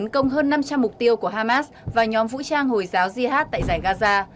nhiều người ở nước này đã tấn công hơn năm trăm linh mục tiêu của hamas và nhóm vũ trang hồi giáo jihad tại giải gaza